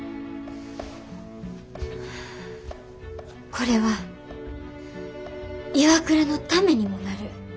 これはＩＷＡＫＵＲＡのためにもなる。